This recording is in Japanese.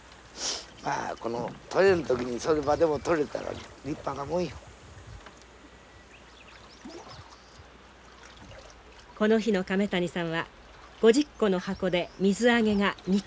まあこの取れん時にそれまでも取れたら立派なもんよ。この日の亀谷さんは５０個の箱で水揚げが２キロ。